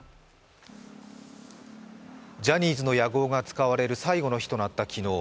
ジャニーズの屋号が使われる最後の日となった昨日。